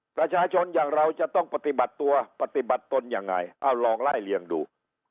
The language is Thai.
ประชาชนอย่างเราจะต้องปฏิบัติตัวปฏิบัติตนยังไงเอาลองไล่เลี่ยงดู